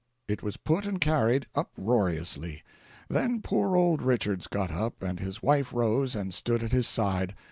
It was put and carried uproariously. Then poor old Richards got up, and his wife rose and stood at his side.